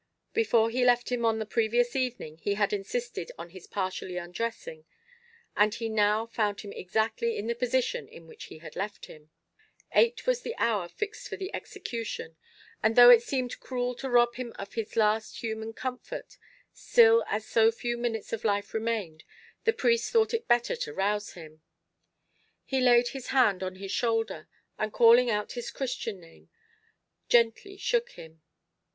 Before he left him on the previous evening he had insisted on his partially undressing, and he now found him exactly in the position in which he had left him. Eight was the hour fixed for the execution, and though it seemed cruel to rob him of his last human comfort, still as so few minutes of life remained, the priest thought it better to rouse him. He laid his hand on his shoulder, and calling out his Christian name, gently shook him.